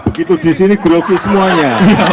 begitu di sini grogi semuanya